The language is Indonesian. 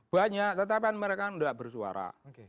banyak tetapi mereka tidak bersuara